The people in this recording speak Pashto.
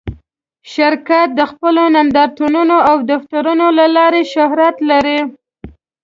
شرکت د خپلو نندارتونونو او دفترونو له لارې شهرت لري.